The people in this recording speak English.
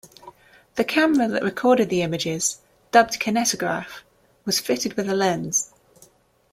The camera that recorded the images, dubbed "Kinetograph", was fitted with a lens.